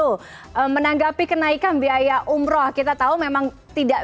untuk menanggapi kenaikan biaya umroh kita tahu memang tidak